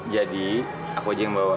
jadi aku aja yang bawa